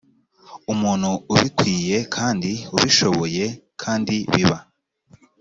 umuntu ubikwiye kandi ubishoboye kandi biba